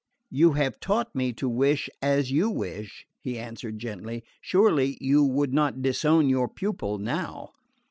"You have taught me to wish as you wish," he answered gently. "Surely you would not disown your pupil now?"